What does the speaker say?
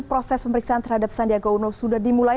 proses pemeriksaan terhadap sandiaga uno sudah dimulai